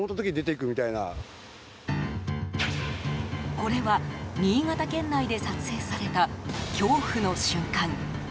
これは、新潟県内で撮影された恐怖の瞬間。